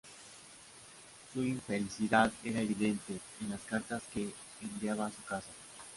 Su infelicidad era evidente en las cartas que enviaba a su casa.